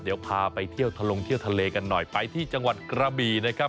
เดี๋ยวพาไปเที่ยวทะลงเที่ยวทะเลกันหน่อยไปที่จังหวัดกระบีนะครับ